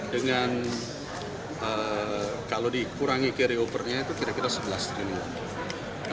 dengan kalau dikurangi carryovernya itu kira kira sebelas triliun